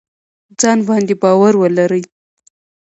ځان باندې باور ولرئ